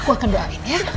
aku akan doain ya